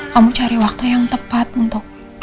kamu cari waktu yang tepat untuk